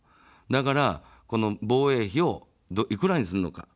だから、防衛費をいくらにするのか。